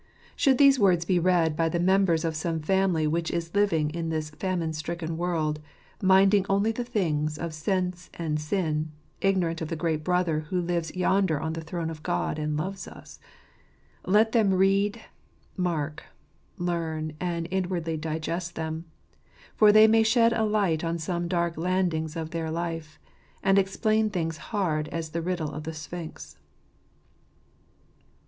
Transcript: Should these words be read by the members of some family which is living in this famine stricken world, minding only the things of sense and sin, ignorant of the great Brother who lives yonder on the throne of God and loves us — let them read, mark, learn, and inwardly digest them, for they may shed a light on some dark landings of their life, and explain things hard as the riddle of the Sphinx.